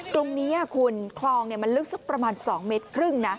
ตรงนี้คุณคลองมันลึกสักประมาณ๒เมตรครึ่งนะ